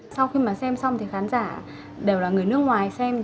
sau khi mà xem xong thì khán giả đều là người nước ngoài xem